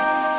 gak bisa sih